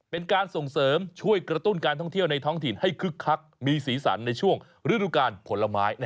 เป็นการส่งเสริมช่วยกระตุ้นการท่องเที่ยวในท้องถิ่นให้คึกคักมีสีสันในช่วงฤดูการผลไม้